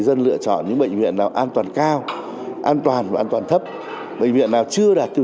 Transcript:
dân lựa chọn những bệnh viện nào an toàn cao an toàn và an toàn thấp bệnh viện nào chưa đạt tiêu